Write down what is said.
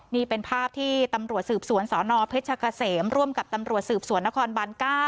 นี่เป็นภาพที่ตำรวจสืบสวนสนเพชรกะเสมร่วมกับตำรวจสืบสวนนครบาน๙